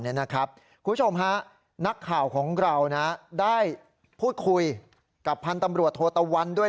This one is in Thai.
คุณผู้ชมฮะนักข่าวของเราได้พูดคุยกับพันธ์ตำรวจโทตะวันด้วย